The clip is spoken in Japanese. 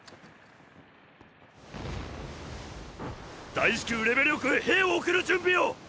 大至急レベリオ区へ兵を送る準備を！！